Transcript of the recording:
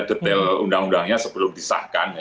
detail undang undangnya sebelum disahkan